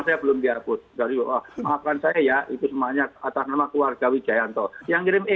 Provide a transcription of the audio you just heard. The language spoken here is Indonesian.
karena terasa dia memberi komentarword ini membuat radiyi menghargai bahwa mengindoheyman